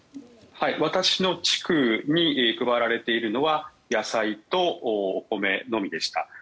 私の地区に配られているのは野菜とお米のみでした。